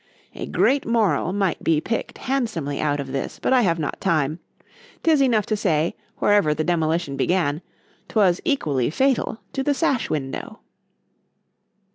——A great MORAL might be picked handsomely out of this, but I have not time—'tis enough to say, wherever the demolition began, 'twas equally fatal to the sash window.